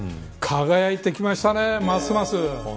輝いてきましたね、ますます。